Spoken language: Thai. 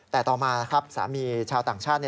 แต่ต่อมานะครับสามีชาวต่างชาติ